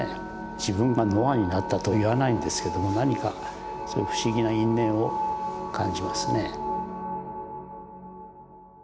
自分がノアになったとは言わないんですけども何かそういう不思議な因縁を感じますね。